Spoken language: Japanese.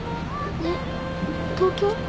えっ東京？